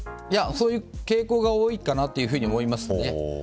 そういう傾向が多いかなと思いますね。